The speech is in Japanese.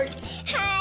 はい。